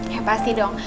ya pasti dong